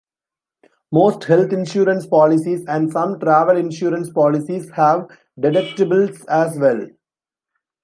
Most health insurance policies and some travel insurance policies have deductibles as well.